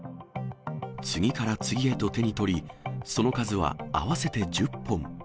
次から次へと手に取り、その数は合わせて１０本。